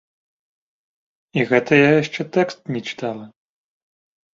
І гэта я яшчэ тэкст не чытала.